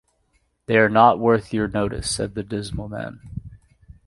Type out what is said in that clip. ‘They are not worth your notice,’ said the dismal man.